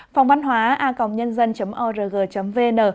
phòngvăn hóa a nh org vn